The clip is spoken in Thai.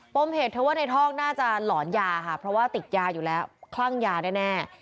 มเหตุเธอว่าในท่องน่าจะหลอนยาค่ะเพราะว่าติดยาอยู่แล้วคลั่งยาแน่